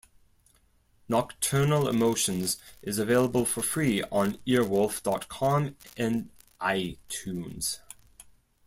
"Nocturnal Emotions" is available for free on Earwolf dot com and iTunes.